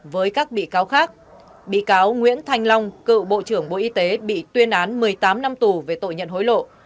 với các bị cáo khác bị cáo nguyễn thanh long cựu bộ trưởng bộ y tế bị tuyên án một mươi tám năm tù về tội nhận hối lộ